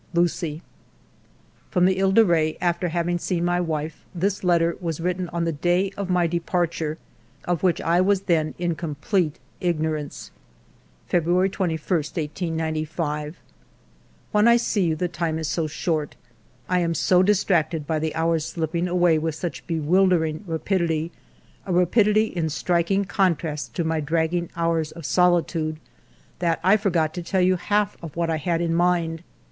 Lucie.'* From the He de Re, after having seen my wife, this letter was written on the day of my departure, of which I was then in complete ignorance :— "February 21, 1895. " When I see you the time is so short. I am so distracted by the hour's slipping away with such bewildering rapidity, a rapidity in striking contrast to my dragging hours of solitude, that I forget to tell you half of what I have in mind.